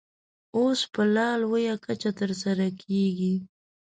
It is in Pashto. اوس په لا لویه کچه ترسره کېږي.